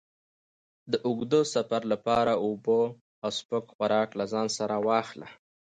د اوږد سفر لپاره اوبه او سپک خوراک له ځان سره واخله.